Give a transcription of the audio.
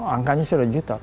angkanya sudah juta